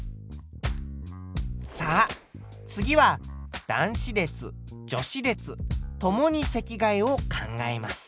さあ次は男子列・女子列共に席替えを考えます。